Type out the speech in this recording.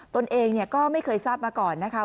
ตนเองก็ไม่เคยทราบมาก่อนนะคะ